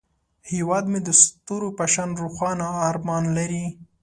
هیواد مې د ستورو په شان روښانه ارمان لري